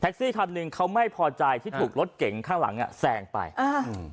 แท็กซี่คันหนึ่งเขาไม่พอใจที่ถูกรถเก๋งข้างหลังอ่ะแซงไปอ่า